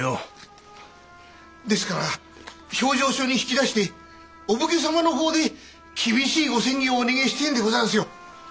ですから評定所に引き出してお武家様の法で厳しいご詮議をお願えしてぇんでございやすよ。